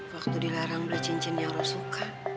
waktu dilarang beli cincin yang orang suka